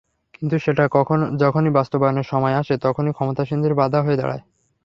কিন্তু সেটা যখনই বাস্তবায়নের সময় আসে, তখনই ক্ষমতাসীনেরা বাধা হয়ে দাঁড়ায়।